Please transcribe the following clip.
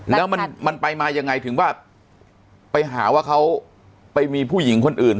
แล้วมันไปมายังไงถึงว่าไปหาว่าเขาไปมีผู้หญิงคนอื่น